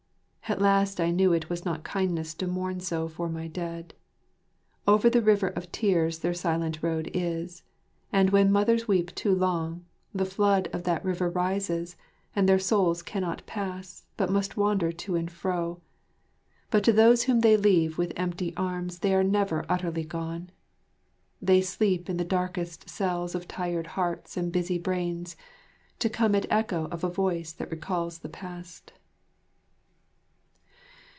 At last I knew it was not kindness to mourn so for my dead. Over the River of Tears their silent road is, and when mothers weep too long, the flood of that river rises, and their souls cannot pass but must wander to and fro. But to those whom they leave with empty arms they are never utterly gone. They sleep in the darkest cells of tired hearts and busy brains, to come at echo of a voice that recalls the past.